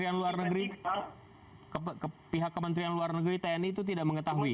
jadi bahkan pihak kementerian luar negeri tni itu tidak mengetahui